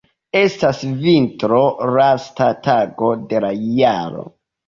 Estas vintro, lasta tago de la jaro.